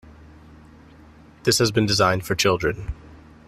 This has been designed for children.